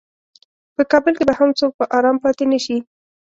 په کابل کې به هم څوک په ارام پاتې نشي.